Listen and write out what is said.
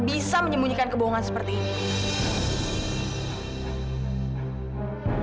bisa menyembunyikan kebohongan seperti ini